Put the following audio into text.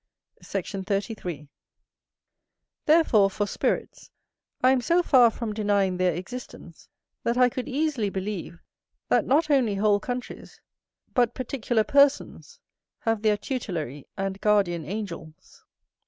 Sect. 33. Therefore, for spirits, I am so far from denying their existence, that I could easily believe, that not only whole countries, but particular persons, have their tutelary and guardian angels.